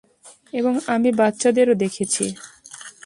এবং আমি বাচ্চাদেরও দেখেছি।